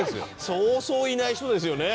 そうそういない人ですよね。